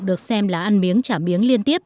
được xem là ăn miếng trả miếng liên tiếp